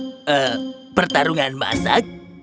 eee pertarungan masak